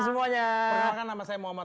selamat malam semuanya